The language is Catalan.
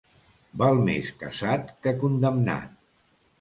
Val més casat que condemnat.